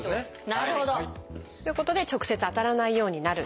なるほど！ということで直接当たらないようになる。